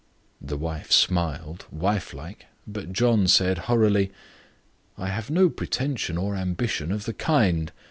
The wife smiled, wife like; but John said, hurriedly: "I have no pretention or ambition of the kind.